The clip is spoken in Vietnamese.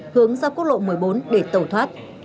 bộ một mươi bốn để tẩu thoát